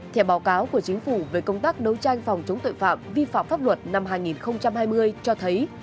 theo báo cáo của chính phủ về công tác đấu tranh phòng chống tội phạm vi phạm pháp luật năm hai nghìn hai mươi cho thấy